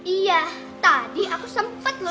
iya tadi aku sempet lah